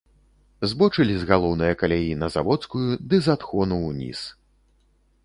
Збочылі з галоўнае каляі на заводскую ды з адхону ўніз.